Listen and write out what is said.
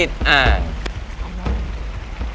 ๓๐๐บาท